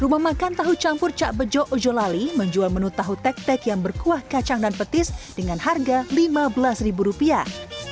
rumah makan tahu campur cak bejo ojo lali menjual menu tahu tek tek yang berkuah kacang dan petis dengan harga lima belas ribu rupiah